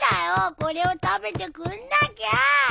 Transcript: これを食べてくんなきゃ！